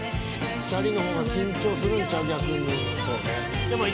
２人の方が緊張するんちゃう逆に。